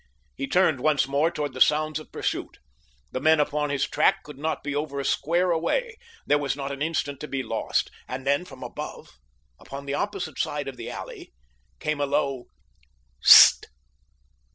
He turned once more toward the sounds of pursuit—the men upon his track could not be over a square away—there was not an instant to be lost. And then from above him, upon the opposite side of the alley, came a low: "S s t!"